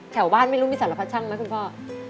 แถวบ้านไม่รู้มีสารพัดช่างไหมคุณพ่อ